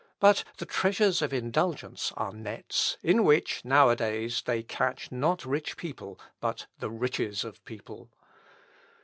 "But the treasures of indulgence are nets, in which, now a days, they catch, not rich people, but the riches of people.